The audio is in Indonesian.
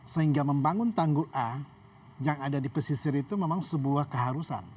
sehingga membangun tanggul a yang ada di pesisir itu memang sebuah keharusan